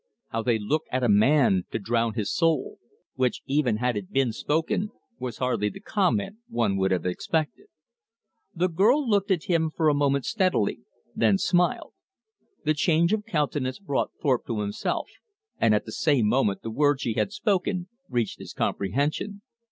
How they look at a man to drown his soul!" Which, even had it been spoken, was hardly the comment one would have expected. The girl looked at him for a moment steadily, then smiled. The change of countenance brought Thorpe to himself, and at the same moment the words she had spoken reached his comprehension.